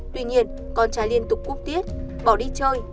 tuy nhiên con trai liên tục cúc tiết bỏ đi chơi